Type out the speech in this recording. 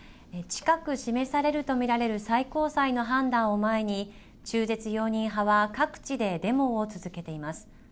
近く示されると見られる最高裁の判断を前に中絶容認派は各地でデモを続けています。